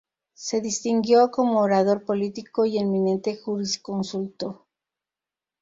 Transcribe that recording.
Se distinguió como orador político y eminente jurisconsulto.